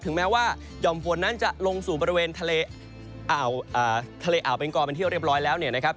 ถึงแม้ว่ายอมฝนนั้นจะลงสู่บริเวณทะเลอาเป็นกรบันเที่ยวเรียบร้อยแล้วนะครับ